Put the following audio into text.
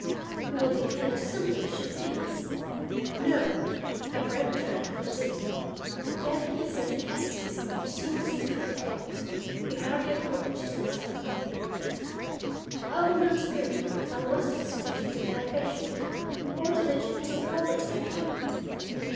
We will begin as simply as you please—" "No," he peremptorily put in, yet with a certain hesitancy which seemed to speak of doubts he hardly acknowledged to himself, "I will not marry you if I must expose you to privation or to the genteel poverty I hate.